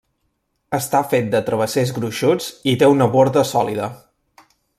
Està fet de travessers gruixuts i té una borda sòlida.